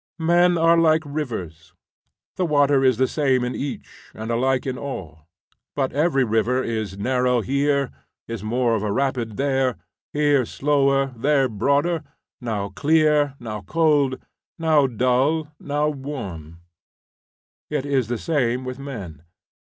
Men are like rivers: the water is the same in each, and alike in all; but every river is narrow here, is more rapid there, here slower, there broader, now clear, now cold, now dull, now warm. It is the same with men.